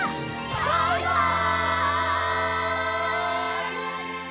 バイバイ！